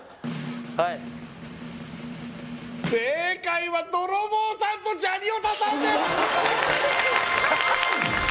はい正解はドロボーさんとジャニヲタさんです！